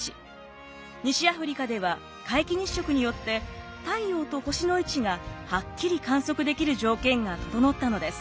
西アフリカでは皆既日食によって太陽と星の位置がはっきり観測できる条件が整ったのです。